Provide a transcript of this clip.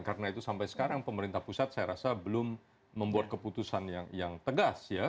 karena itu sampai sekarang pemerintah pusat saya rasa belum membuat keputusan yang tegas ya